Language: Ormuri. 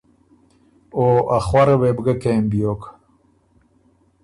او ا خؤره وې بو ګه کېم بیوک۔